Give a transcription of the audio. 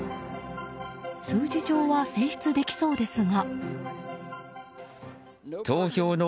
数字上は選出できそうですが。